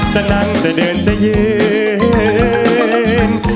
จะนั่งจะเดินจะยืน